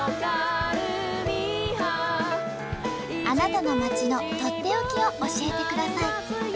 あなたの町のとっておきを教えてください。